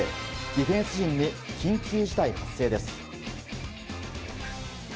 ディフェンス陣に緊急事態発生です。